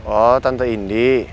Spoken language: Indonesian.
oh tante indi